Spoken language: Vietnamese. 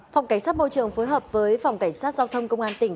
phòng cảnh sát môi trường phối hợp với phòng cảnh sát giao thông công an tỉnh